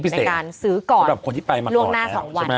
ในการซื้อก่อนล่วงหน้า๒วัน